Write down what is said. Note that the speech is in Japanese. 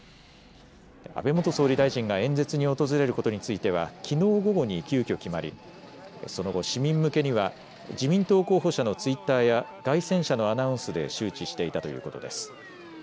安倍元総理大臣が演説に訪れることについてはきのう午後に急きょ、決まりその後、市民向けには自民党候補者のツイッターや街宣車のアナウンスで周知していたということです。